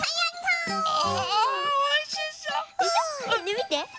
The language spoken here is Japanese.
みて。